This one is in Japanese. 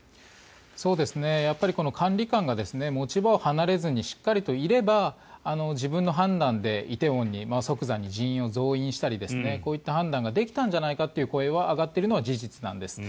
管理官が持ち場を離れずにしっかりといれば自分の判断で梨泰院に即座に人員を増員したりこういった判断ができたんじゃないかという声が上がっているのは事実なんです。